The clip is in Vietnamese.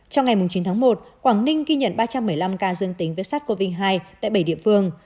trong ngày chín tháng một quảng ninh ghi nhận ba trăm một mươi năm ca dương tính viết sát covid một mươi chín tại bảy địa phương